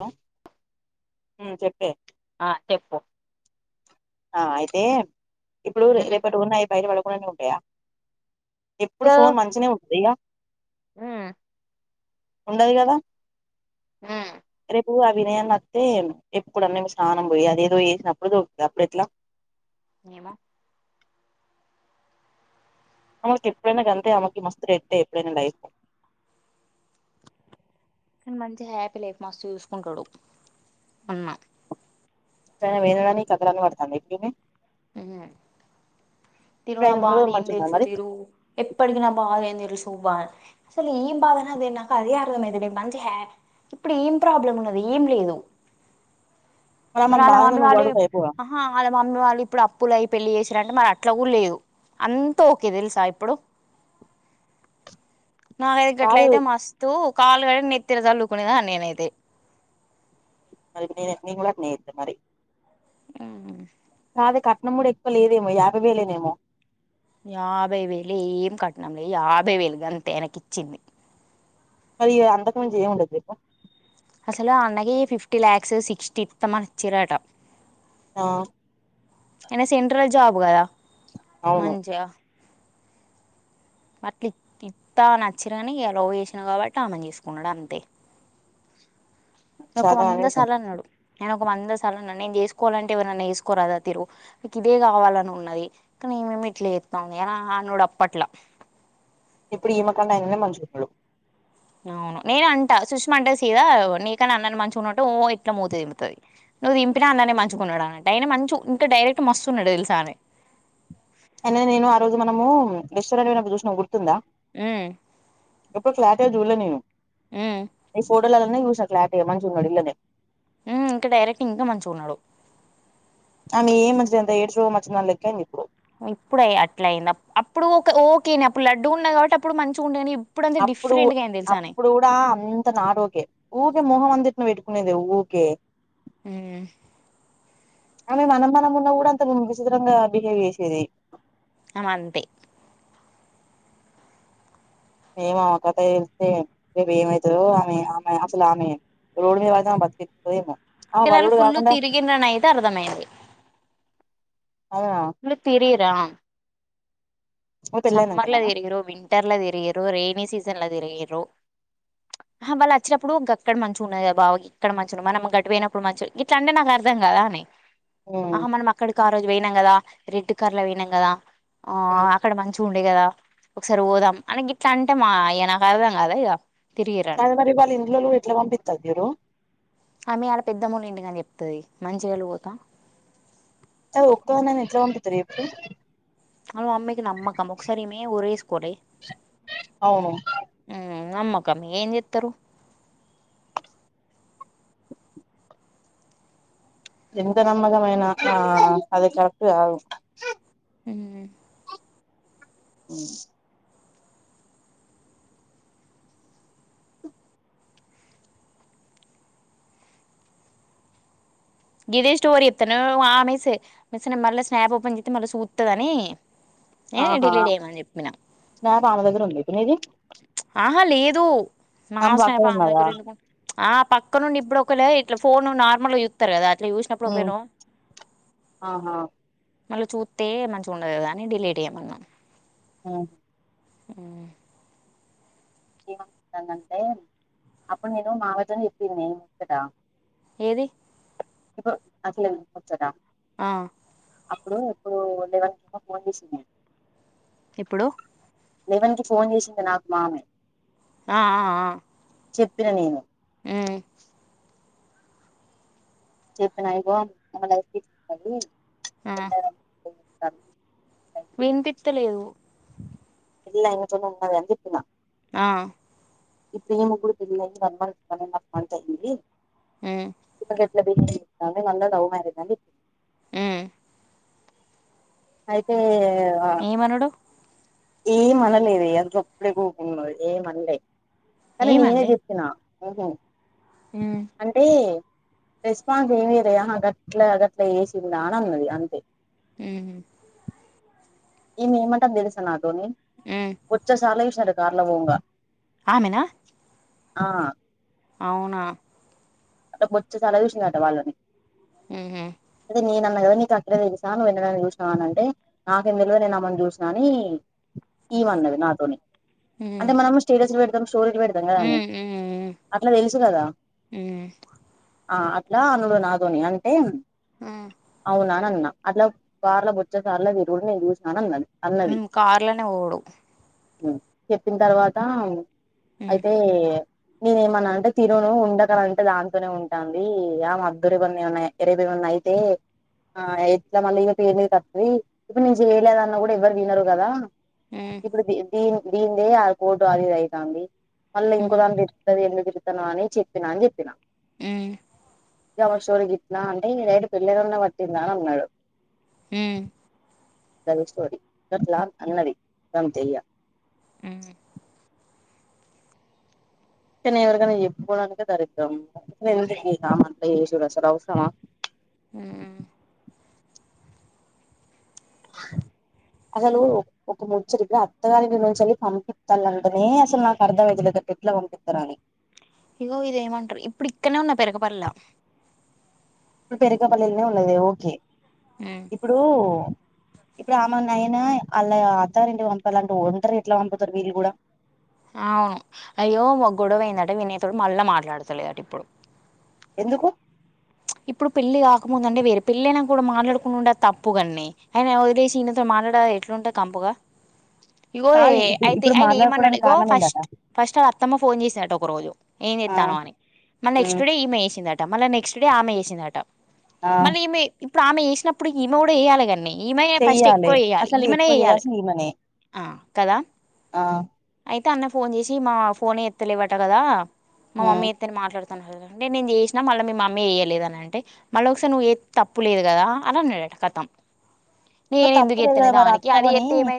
Hello మ్ చెప్పే ఆ చెప్పు ఆ అయితే ఇప్పుడు రేపటి రోజు నాయి బయట పడకుండానే ఉంటాయా ఎప్పుడు ఫోన్ మంచినే ఉంటద ఇగ మ్ ఉండయి కదా మ్ ప్పుడు అ వినయ్ అన్న అతే ఎప్పుడన్నేము స్నానం పోయి అది ఏదో చేసినప్పుడు దొరుకుతద్ అప్పుడు ఎట్లా ఏమొ ఆమెకు ఎప్పుడైనా గంతె ఆమెకి మస్తు గట్టే ఎప్పుడైనా లైఫ్ కానీ మంచి హ్యాపీ లైఫ్ మస్తు చూసుకుంటాడు అన్నా ఎప్పుడన్న పెంది కని ఈ కతలన్నీ పడుతంద ఇప్పుడు ఇమే ఇ తిను ఇప్పుడు నా ఆయన ఉన్న బాధ రోజులు ఏం మంచిగున్నదా తెలుసు మరి తిరుగు ఎప్పటికి నా బాధ ఏం తెలుసు బా ఆసల్ ఏం బద అదే నాకు అదే ఆర్దమయితలే మంచి హా ఇప్పుడు ఏం ప్రాబ్లం ఉన్నది ఏం లేదు మరి ఆమెను ఆళ్ళ బాధగా మమ్మీ నువ్వు వాళ్ళు పడువు ఇప్ అయిపోగా ఆహ వాళ్ళ మమ్మీ వాళ్ళు ఇప్పుడు అప్పులు అయి పెళ్లి చేసిరంటే మరి అట్లా కూడా లేదు అంత ఓకే తెలుసా ఇప్పుడు మాకైతే గట్ల కాదు అయితే మస్తు కాళ్ళు కడిగి నెత్తిన చల్లుకునే దాన్ని నేనైతే మరి నేనే నేను కూడా అట్ నే చెత్త మరి ఆ అదే కట్నం కూడా ఎక్కువ లేదేమో యాబై వేలేనేమో యాభై వేలు ఏం కట్నంలేదు యాభై వేలు గంతే ఆయనకు ఇచ్చింది మరి అంతకు మించి ఏం ఉండదు చెప్పు అసలు అ అన్నకు ఫిఫ్టీ లాక్స్ సిక్స్టీ ఇతామని అచ్చిరట ఆ ఆయనది సెంట్రల్ జాబ్ గద అవును మంచి గ అట్ల ఇత్త అని ఆచ్చిర్ కాని ఇగ లవ్ చేసినా కాబట్టి ఆమెను చేసుకున్నాడు అంతే ఆయన ఒక చాలా వంద అనేసం సార్ల అన్నాడు ఆయన వంద సాల్ల అన్నాడు నేను చేసుకోవాలంటే ఎవరీ నన్నా చేసుకోరాదా తిరు మీకు ఇదే కావాలని ఉన్నది కానీ ఈమె ఇట్ల చేతంది అని అనుడు అప్పట్లా ఇప్పుడు ఇమే కన్న ఆయననే మంచిగున్నడు అవును నేను అంట సుష్మా అంటే సీదా నీకాని అన్నని మంచిగున్నట్టు ఓ ఇట్లా మూతి తిప్పుతది నువ్వు తింపిన అన్ననే మంచి గున్నడనంటే ఆయన మంచి ఇంకా డైరెక్ట్ మస్తున్నాడు తెలుసా అనే అది నేను ఆ రోజు మనము రెస్టారెంట్ పోయినప్పుడు చూసినవు గు కింద హ్మ్ ఇప్పుడు క్లారిటీగా చూలే నేను హ్మ్ న ఫోటో లల్లనే చూసిన క్లారిటీగా మంచి ఉన్నడు ఇళ్లనే ఇంకా డైరెక్ట్ ఇంకా మంచి ఉన్నాడు ఆమె ఏం మంచి లేదంత ఎయిడ్స్ రోగం మంచి దాన్లెక్క అయింది ఇప్పుడు ఇప్పుడయ అట్ల అయింది అ అప్పుడు ఓకేని అప్పుడు లడ్డు గా ఉన్నది కాబట్టి అప్పుడు మంచిగా ఉండేని అప్పుడు అప్పుడు కూడా అంత నాట్ ఒకే ఊకే మోహం అంత ఏ పెట్టుకునేదే ఊకే ఉమ్ ఆమె మనం మనం ఉన్న కూడా అంత విచిత్రంగా బిహేవ్ చేసేది అమ అంతే ఏమో ఆమే కథ తెలిత్తే రేపు ఏమయి తదో ఆమె ఆమె అసలు ఆమె రోడ్ మీద వడితే ఆమె బతుకు యెట్లుంటదో ఏమో ఆమె కానీ ఆళ్లు బడోడు ఫుల్లు కాకుండా తిరిగిరనయితే అర్థమైంది అవునా తిరిగిరా ఆమె సమ్మర్ల పెళ్ళయినంకనా తిరిగిరు వింటర్ల తిరిగిరు రైనీ సీజన్ల తిరిగిరు హా వాళ్ళు వచ్చినప్పుడు అక్కడ మంచిగా ఉన్నాది బావ ఇక్కడ మంచి ఉంది మనమ్ గట్టు పోయినప్పుడు మంచి ఇట్లా అంటే నాకు అర్థం గాదానే ఉమ్ ఆహా మనం అక్కడికి ఆ రోజు వయినాం కదా రెడ్ కర్లలో వయినాం కదా ఆ చూండే కదా ఒకసారి పోదాం అని గిట్ల అంటే మా ఈ నాకు అర్ధం గాదా ఇగ తిరిగి రని కాదు మరి వాళ్ళ ఇంట్లోలు ఎట్లా పంపిత్తరు చూడు ఆమె అలా పెద్దమూలు ఇంటి కాని చెప్ప తది మంచిగా ఎల్లు వోతా అది ఒక్క దాన్నేన ఎట్లా పంపిత్తరు చెప్పు వాళ్ళమమ్మికి నమ్మకం ఒకసారిమే ఒరే స్కోలే అవును నమ్మకమే ఏం చెత్తారు ఎంత నమ్మకమయినా ఆ అది కరెక్ట్ గాదు ఉ అ గిదే స్టోరి చెప్తాను ఆ మిస్ మిస్ మళ్ళీ స్నాప్ఓపెన్ చెత్తె మళ్ళీ సూత్తదని ఆహా స్నాప్ అమ దగ్గరుందా ఇప్పు నీది ఆహా లేదు నా పక్కన సాప్ ఆమె ఉన్నదా దగ్గర ఎందుకుంట ఆ పక్కను నుండి ఇప్పుడు ఒకలే ఇట్లా ఫోను నార్మల్గ సూత్తరుగదా ఇగ ఉమ్ యూసినప్పుడొకవేలో ఆహా మళ్ళ చూస్తే మంచిగుండదు గదా అని డిలేట్ చేయమన్నా ఆ ఆ ఏమనుకుంటానునంటే అప్పుడు నేను మా అవ్వ తోని చెప్పిన్నే ఈ ముచ్చట ఏది అసలేంది ముచ్చట ఆ అప్పుడు ఎప్పుడు లెవెన్ క ఫోన్ చేసిన్నే ఎప్పుడు లెవెన్ కి ఫోన్ చేసింది నాకు మామే ఆ ఆ చెప్పిన నేను ఆ చెప్పిన ఇగో మన లైఫ్ గిట్లుంటది ఆ త విన్పిత్తలేదు ఇయాలనతే ఉన్నదని జెప్పిన ఆ ఇప్పుడు ఈమెకుగూడ పెళ్ళి అయి one month one and half month అయ్యింది ఉమ్ మాది మళ్ళా లవ్ మ్యారేజ్ ఆహా అండి ఉమ్ అయితే ఏమనుడు ఏం అనలేదే అది సప్పుడేక ఉకున్నది ఏం అనలే కానీ నేనే ఏమనలే చెప్పిన ఓహో ఉమ్ అంటే రెస్పాన్స్ ఏం ఇయ్యాలేదా ఆహా అది గట్ల అదట్ల చెసిందా ఆ అని అన్నది అంతే ఉమ్ ఈన ఏమంటాడో తెలుసా నాతోని ఉమ్ బొచ్చు సార్ల చసినారు కార్లో పోంగ ఆమెన ఆ అవునా అ వచ్చే చాలా చూసిందట వాళ్ళని ఉహు అయితే నేనన్నా కదా నీకు అక్కడే తెలిసా నువ్వు ఎన్నడు అయినా చూసినావ అని అంటే నాకేం తెల్వది నేనుమ్మని చూసినాని ఈ మన్నది నాతోని ఉమ్ అంటే మనము స్టేటస్ పెడదాం స్టోరీకి పెడదాం కదాని ఉమ్ ఉమ్ ఉమ్ అట్లా తెలుసు కదా ఉమ్ ఆ అట్లా అనుడు నాదోని అంటే అవునా అని అన్నా అట్లా కార్లో బొచ్చ కార్లో తిరుగుడు నేను చూసిన అని అన్నది హు అన్నది కార్లోనే పోవుడు చెప్పిన తర్వాత ఉమ్ అయితే నేనేమనాను అంటే తినను ఉండగల అే దాంతోనే ఉంటంది ఆ మద్దుర ఇవన్న ఉన్నాయి అరేబి మన్న అయితే ఆ ఎట్లా మళ్ళీ ఇక పేరు మీది కస్తది ఇప్పుడు నేను చేయలేదన్నా కూడా ఎవ్వరు వినరు కదా ఉమ్ ఇప్పుడు ద దీ దీ దే అది కోటు అదిది అవుతుంది మళ్ళీ ఉమ్ ఇంకో దాని పెట్టుకుంట ఎందుకు తిరుతా అని చెప్పినా అని చెప్పినాను ఈ గ ఆమె స్టోరీ గిత్నా అంటే ఈ డైరెక్ట్ పెళ్ళలున్నా పట్టిందా అని అన్నాడు హు గదే స్టోరీ గట్ల అన్నదియ అంతే ఇగ ఉహు నను ఎవరికైనా చెప్పుకోవడానికే దరిద్రం అస ఎందుకుమం చేసూరు అసలు అవసరమా హు అసలు ఒక ముచ్చడి అత్తగారి నుంచి వెళ్ళి పంపిస్తా అంటనే అసలు నాకు అర్థం అయితలేదు ఇ ఎట్లా పంపిస్తార అని ఇగో ఇదేమంటారు ఇప్పుడు ఇక్కనే ఉన్నా పెరకపర్లా ఇప్పుడు పెరకపల్లిలనే ఉన్నది ఓకే హ్మ్ ఇప్పుడు ఇప్పుడు ఆమ నయనా అలా అత్తారింటి పంపలాంటిే వంటరీ ఎట్లా పంపుతారు వీళ్ళు కూడా అవును అయ్యో ఒక గొడవ అయిందట వినేయతోటి మళ్ళా మాట్లాడతలేదట ఇప్పుడు ఎందుకు ఇప్పుడు పెళ్లి కాకముందు అంటే వేరు పెళ్లి అయినా కూడా మాట్లాడుకుండా ఉండ తప్పుగాన్నీ అయిన వదిలేసినతో ఆనడ ఎట్లుంటాయి కంపుగా ఇగో కాదు ఇప్పుడు అయితే ఇప్పుడు ఆయన ఏమన్నాడు మాట్లాడుకోవడానికి ఇగో కారణం ఏందట ఫస్ట్ ఫస్ట్ ఆళ్ళ అత్తమ్మ ఫోన్ చేసిందట ఒక రోజు ఏం ఆ చేస్తన్నావ్ అని మళ్ళ నెక్స్ట్ ఉమ్ డే ఈ మే చేసిందట్ మళ్ళ నెక్స్ట్ డే ఆమె చేసిందట ఆ మళ్ళీ ఈమె ఇప్పుడు ఆమె వేసినప్పుడు ఈమె కూడా చేయాలా కదనే ఈమె నే ఫస్ట్ చెయ్యాలి ఎక్కువ చేయాలే అసలు ఈమెనే ఎక్కువ చేయలే చేయాల్సింది ఈమనే ఆ కదా ఆ అయితే అన్న ఫోన్ చేసి మా ఫోనే ఎత్తలేవట కదా మా ఉమ్ మమ్మీ ఎత్తని మాట్లాడ అంటే చేసిన మళ్ళీ మీ మమ్మ మ్మీ చేయలేదు అని అంటే మళ్ళొకసారి నువ్వు ఏ చేస్తే తప్పు లేదు కదా అని అన్నాడట కతం మరి నేను తప్పు ఎందుకు లేదు చెత్తనే కదా మరి దానికి అది అత్తమని ఎత్తే ఏమై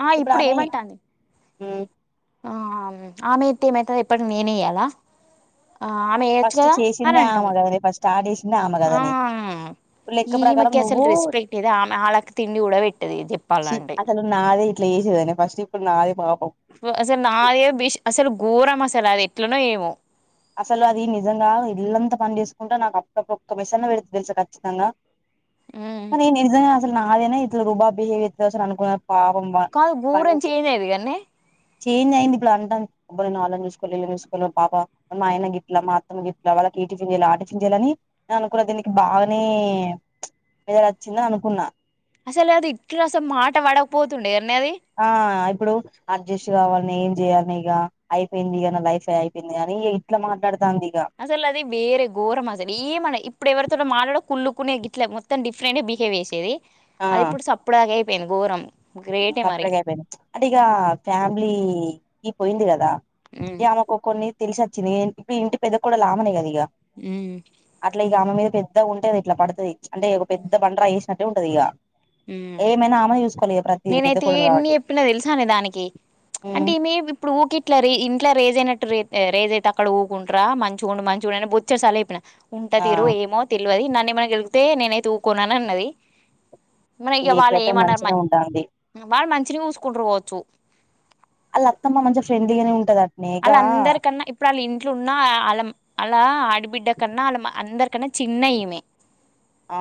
ఆ ఇప్పుడు ఏమంటాంది ఊ ఆమ్ ఆమెయితే ఏమైతది ఎప్పటికి నేనే ఇయ్యాలా ఆమె ఏయొచ్చు ఫస్ట్ గదా అని చేసిందే ఆమె అంటాంది కదనే ఫస్ట్ స్టార్ట్ చేసిందే ఆమె కదనే ఆమ్ ఇప్పుడు లెక్క ప్రకారం ఈమెకి అసల్ నువ్వు రెస్పెక్ట్ ఏది ఆమె ఆళ్ళకి తిండి గూడా వెట్టది ఇగ చెప్పాలంటే ట్లే చేేసేదనా ఫస్ట్ ఇప్పుడు నాదే పా వ అసల్ నాదే బిష్ అసలు ఘోరం అసలు అది ఎట్లనో ఏమో అసలు అది నిజంగా ఇల్లంత పని చేసుకుంట నాకు అప్పక్ ఒక్క మెసన్న వెడుతది దెలుసా ఖచ్చితంగా ఉమ్. కానీ నిజంగా అసలు నాదేనా ఇట్ల రూబాబ్ బిహేవ్ చేత్త అసలు అనుకునా కాదు గోరం చేయలేదు కానీ చేంజ్ అయింది ఇప్పుడు అంటన్ అబ్బ నేన్ ఆలన్ చూసుకోలే ఈలన్ చూసుకోలే పాపా మా ఆయన గిట్ల మా అత్తమ్మ గిట్ల వాళ్ళకి ఈ టిఫిన్ జెయాల ఆ టిఫిన్ జెయాల అని నేను అనుకున్న దీనికి బాగనే ఇగ వచ్చిందే అనుకున్నా అసలు అది ఇట్ల అస మాట వడకపోతుండేగా ఆ ఇప్పుడు అజ్జెష్ట్ గావాల్ ఏం జేయాల్నే ఇగా అయిపోయిందిగ నా లైఫే అయిపోయింది గానీ ఇగ ఇట్ల మాట్లాడు అసలు అది వేరే ఘరం అసలు ఏం అన ఇ ఇప్పుడు ఎవరితోడ మాట్లాడ కుళ్లుక్కునే గిట్లే మొత్తం డిఫరెంట్ బిహేవ్ చేసేది అది ఇప్పుడు సప్పుడాగేయ్ పెను ఘోరం గ్రేటే మరి సప్పుడ్గా అయిపోయింది అంటే ఇగ ఫ్యామిలీ ఈ పోయింది గదా ఉమ్ ఇ ఆమెకు కొన్ని తెలిసి ఒచ్చింది ఏన్ ఇప్పుడు ఇంటి పెద్ద కోడల్ ఆమెనే గద ఇగ ఉమ్ అట్ల ఇగ ఆమే మీద పెద్ద ఉంటది ఇట్ల పడుతది అంటే ఒక పెద్ద బండ్రాయ్ ఏశ్ నట్టే ఉంటది ఇగ ఉమ్ ఏమైనా ఆమెనే చూసుకోవలిగ నేనైతే ఎన్ని ఎప్పిన దెలుసానే దానికి అంటే ఈమె ఇప్పుడు ఊకె ఇట్ల రే ఇంట్ల రేజ్ అయినట్ టె రేప్ రేజ్ అయితే అక్కడ ఊకుంటరా మంచి ఉండు మంచిగా ఉండు అని బొచ్చడ్ సార్ల ఎప్పిన ఉంట ఆ తీరు ఏమో తెల్వది నన్నేమన గెల్కితే నేనైతే ఊకోన్ అని అన్నది మన ఇగ వాళ్ళు ఇప్పుడైతే ఏమనరు మ మంచినే ఉంటాంది వాళ్ మంచినే ఊసుకుంటరు గొవచ్చు ఆళ్ళ అత్తమ్మ మంచ ఫ్రెండ్లీగనే ఉంటద ఆళ్ళ అందరికన్నా ఇప్పుడు ఆళ్ళ ఇంట్లో ఉన్నా ఆల్ంల అల్లా ఆడిబిడ్డ కన్నా అళ్ళమ అందరి కన్న చిన్న ఈమె ఆ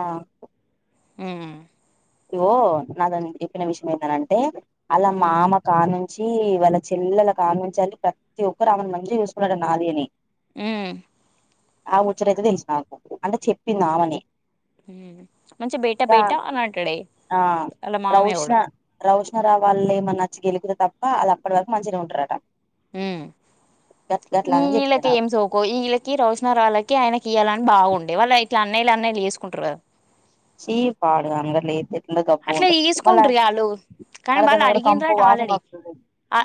ఊ ఇగో నాదని ఎప్పిన విషయం ఏందనంటే ఆల్ల ఉమ్, మామ కాను చీ వాళ్ళ చెల్లెల కానుంచెలి ప్రత్తి ఒక్కరు ఆమెను మంచిగ చూసుకున్నడ్ నానీని ఊ ఆ ముచ్చటైతే తెలిసు నాకు అంటే చెప్పింది ఆమెనే మంచ బేట ఇక బేట అనంట్ ఆ రౌష్నా రౌష్ ఆ రా వాళ్ళ ఏమన్నా ఒచ్చి గెలుకితే తప్పా ఆళ్ళు అప్పడి వరకు మంచిగనే ఉంటరట ఈ అని చెప్పింది ఈళ్ళకి ఏం నాకు సోకో ఈళ్ళకి రోష్ణారాళ్ళకి ఆయనకి ఇయ్యాలని బాగుండే వాళ్ళ ఇట్లా అన్నయ్యలు అన్నయలు చేసుకుంటరు గదా చీ పాడు గాన్ గట్ల ఏత్తె ఎట్ల అట్ల ఏసుకుంటరే ఆళ్ళు కానీ మళ్ళ దాని వాళ్ళు దగ్గర కంపు అడిగిన్రట వాసన ఆల్రెడీ వస్తుంది అ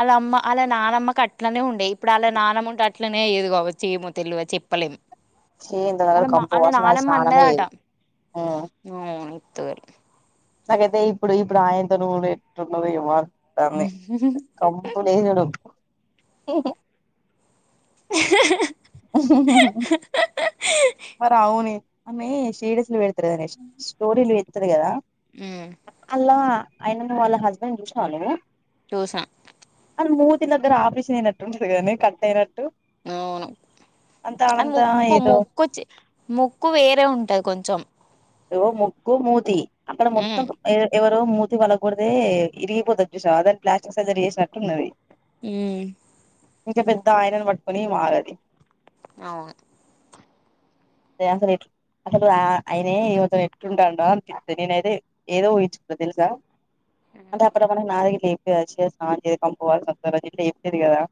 ఆల్ల అమ్మ ఆల్ల నానమ్మక్ కట్లనే ఉండే ఇప్పుడు ఆల్ల నానమ్మ ఉంటే అట్లనే అయేది కావచ్చు ఏమో తెలువ చెప్పలేమ్ ఛీ దాని దగ్గర కంపు అలా వాసన అది నానమ్మ స్నానమే అన్నదంట చేయదు ఉమ్ తూరు నాకైతే ఇప్పుడు ఇప్పుడు ఆయనతోను ఎట్టునదో ఏమా [unintelligible] కంపులు మరి అవునే ఆమె [unintelligible] పెడతారు కద స్టోరీలు పెడతారు కదా ఉమ్ అల ఆయన ను వాళ్ళ హస్బెండ్ చూసిన [unintelligible] చూస మూతి దగ్గర ఆపరేన్ అయినట్టు ఉంది కాదనే [unintelligible] అవును అంత అంతా [unintelligible] మోక్కు వేరే ఉంటది కొంచెం ముక్కు మూతి అక్కడ మొత్తం ఉమ్ [unintelligible] మూతి పగల్కొడ్తే ఇరిగిపోతది చూసావ అ దాని ప్లాస్టిక్ సర్జరీ చేసినట్లు ఉన్నది ఉమ్ ఇంకా పెద్ద ఆయనను పట్టుకొని మారది అవును [unintelligible] న [unintelligible] ఎట్టుంటాండా అనిపిస్త నేన అయితే ఏదో ఊహించుకుంట తెలుసా అంటే అప్పుడు మనకి నగిట్లుయిపోయచ్చం ఇట్లా చెప్పిరు కదా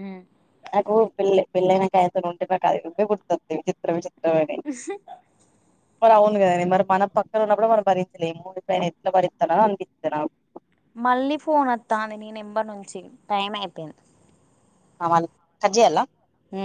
ఉమ్ నాకు [unintelligible] ఇ మరి అవును కదండి మరి మన పక్కన ఉన్నప్పుడు మనం భరించలేము ఇంకా ఆయన ఎట్లా భరిస్తాడ అనిపిస్తారు మళ్ళీ ఫోన్ వత్తంది నీ నెంబర్ నుంచి ఆ కట్ చేయల ఉ